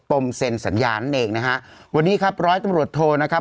มเซ็นสัญญานั่นเองนะฮะวันนี้ครับร้อยตำรวจโทนะครับ